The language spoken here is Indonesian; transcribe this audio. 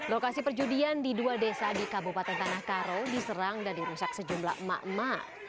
lokasi perjudian di dua desa di kabupaten tanah karo diserang dan dirusak sejumlah emak emak